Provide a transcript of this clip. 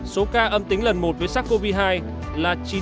số ca âm tính lần một với sars cov hai là chín ca chiếm hai một